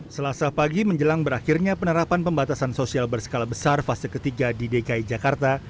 selasa pagi menjelang berakhirnya penerapan pembatasan sosial berskala besar fase ketiga di dki jakarta